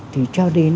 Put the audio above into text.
thì cho đến